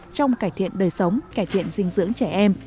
trong cải thiện đời sống cải thiện dinh dưỡng trẻ em